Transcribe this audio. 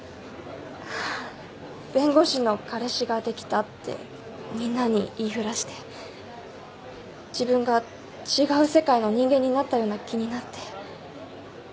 弁護士の彼氏ができたってみんなに言いふらして自分が違う世界の人間になったような気になって。